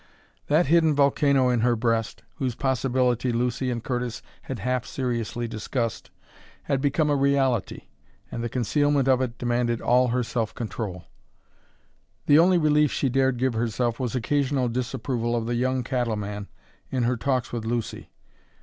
That hidden volcano in her breast, whose possibility Lucy and Curtis had half seriously discussed, had become a reality, and the concealment of it demanded all her self control. The only relief she dared give herself was occasional disapproval of the young cattleman in her talks with Lucy.